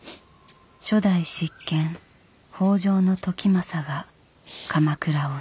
初代執権北条時政が鎌倉を去る。